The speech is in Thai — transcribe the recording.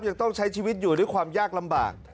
ยังต้องใช้ชีวิตอยู่ด้วยความยากลำบาก